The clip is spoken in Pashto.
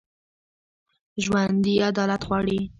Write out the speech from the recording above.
ژوندي عدالت غواړي